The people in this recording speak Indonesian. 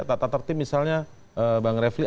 tata tertib misalnya bang refli